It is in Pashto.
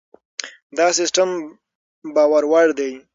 دا سیستم باور وړ دی.